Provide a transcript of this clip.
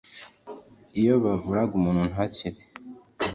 iyo bavuraga umuntu ntakire